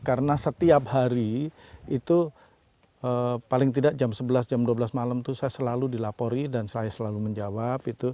karena setiap hari itu paling tidak jam sebelas jam dua belas malam itu saya selalu dilapori dan saya selalu menjawab